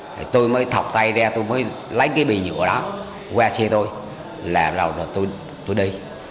thì tôi mới thọc tay ra tôi mới lấy cái bì nhựa đó qua xe tôi là tôi đi